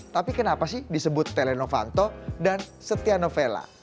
tapi kenapa sih disebut tile novanto dan setia novela